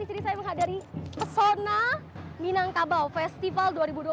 di sini saya menghadari pesona minangkabau festival dua ribu dua puluh dua